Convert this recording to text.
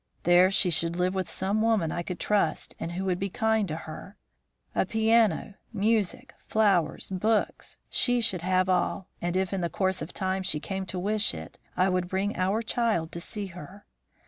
There she should live with some woman I could trust and who would be kind to her. A piano, music, flowers, books she should have all, and if, in the course of time, she came to wish it, I would bring our child to see her.